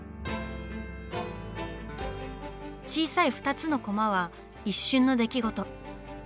小さい２つのコマは一瞬の出来事。